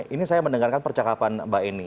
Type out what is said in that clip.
ini saya mendengarkan percakapan mbak eni